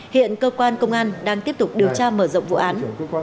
hiện cơ quan công an đang tiếp tục điều tra mở rộng vụ án